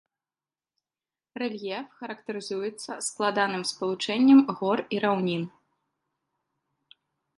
Рэльеф характарызуецца складаным спалучэннем гор і раўнін.